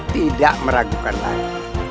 tidak meragukan lagi